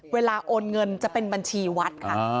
โอนเงินจะเป็นบัญชีวัดค่ะ